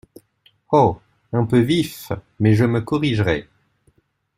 Oh ! un peu vif, mais je me corrigerai…